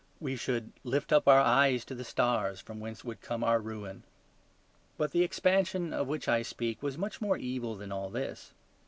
We should lift up our eyes to the stars from whence would come our ruin. But the expansion of which I speak was much more evil than all this.